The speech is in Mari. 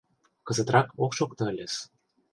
Кызытрак ок шокто ыльыс...